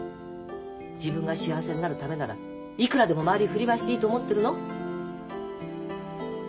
自分が幸せになるためならいくらでも周り振り回していいと思ってるの？